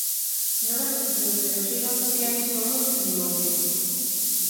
Non admitimos que nos digan quen somos nin o que.